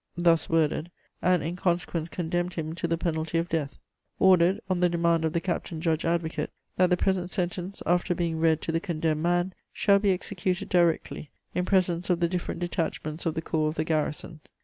thus worded.... and in consequence condemned him to the penalty of death. Ordered, on the demand of the captain judge advocate, that the present sentence, after being read to the condemned man, shall be executed directly, in presence of the different detachments of the corps of the garrison.